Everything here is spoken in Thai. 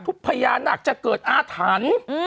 ทุกพยานักจะเกิดอาทัณฑ์